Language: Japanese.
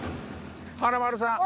華丸さん。